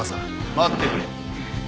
待ってくれ。